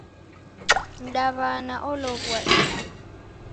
Mdawana olowua icho